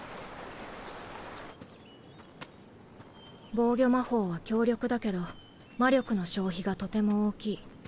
防御魔法は強力だけど魔力の消費がとても大きい。